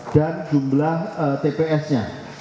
dan jumlah tps nya